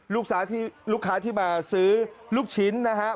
ลูกค้าที่มาซื้อลูกชิ้นนะครับ